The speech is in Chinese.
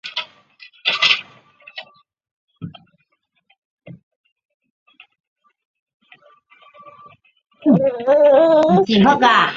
黄初元年改为太常。